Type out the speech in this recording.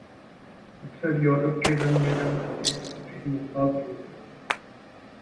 اکثر یورپ کے رنگ میں رنگ جاتے ہیں پھر ماں باپ روتے ہیں